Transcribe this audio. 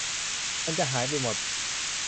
มันจะหายไปหมด